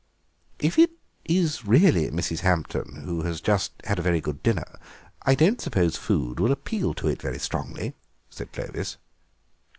"If it is really Mrs. Hampton, who has just had a very good dinner, I don't suppose food will appeal to it very strongly," said Clovis.